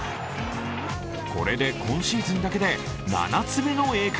これで今シーズンだけで７つ目の栄冠。